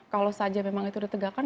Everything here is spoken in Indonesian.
kalau saja memang itu ditegakkan